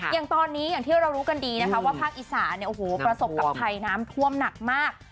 อย่างตอนนี้อย่างที่เรารู้กันดีนะคะว่าภาคอีสานเนี่ยโอ้โหประสบกับภัยน้ำท่วมหนักมาก